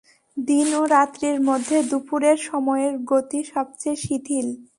দিন ও রাত্রির মধ্যে দুপুরের সময়ের গতি সবচেয়ে শিথিল।